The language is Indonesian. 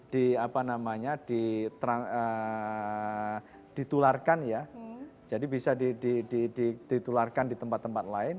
ditularkan ya jadi bisa ditularkan di tempat tempat lain